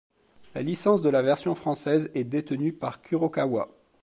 La licence de la version française est détenue par Kurokawa.